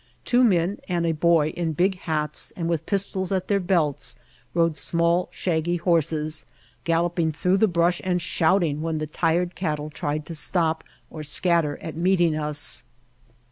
Two men and a boy in big hats and with pistols at their belts rode small shaggy horses, galloping through the brush and shouting when the tired cattle tried to stop or scatter at meeting us.